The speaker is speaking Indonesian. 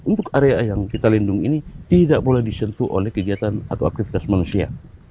untuk area yang kita lindungi ini tidak boleh disentuh oleh kegiatan atau aktivitas manusia